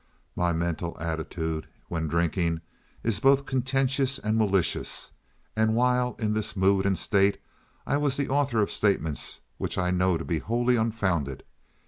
My mental attitude when drinking is both contentious and malicious, and while in this mood and state I was the author of statements which I know to be wholly unfounded.